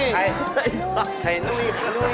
ใครนะใครนุ้ย